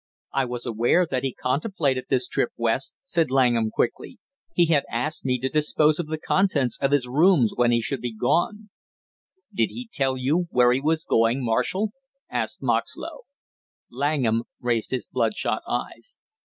"I was aware that he contemplated this trip West," said Langham quickly. "He had asked me to dispose of the contents of his rooms when he should be gone." "Did he tell you where he was going, Marshall?" asked Moxlow. Langham raised his bloodshot eyes.